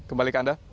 kembali ke anda